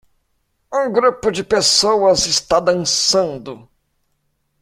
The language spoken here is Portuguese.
Um grupo de pessoas está dançando.